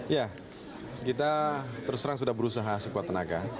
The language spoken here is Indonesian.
ya kita terserang sudah berusaha sekuat tenaga